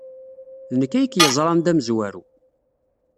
D nekk ay k-yeẓran d amezwaru.